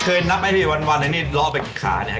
เคยนับให้พี่วันแล้วนี่ล้อไปขาเนี่ย